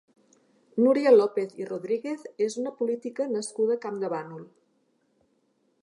Núria López i Rodríguez és una política nascuda a Campdevànol.